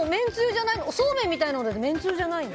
そうめんみたいなのでめんつゆじゃないの？